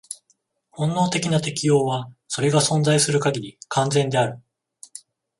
本能的な適応は、それが存在する限り、完全である。